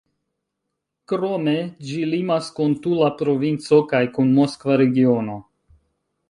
Krome, ĝi limas kun Tula provinco kaj kun Moskva regiono.